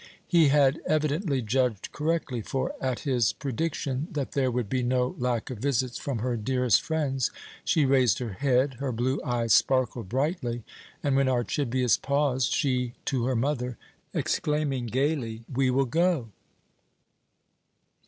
He had evidently judged correctly, for, at his prediction that there would be no lack of visits from her dearest friends, she raised her head, her blue eyes sparkled brightly, and when Archibius paused she to her mother, exclaiming gaily: "We will go!"